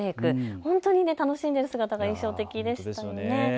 本当に楽しんでる姿が印象的ですよね。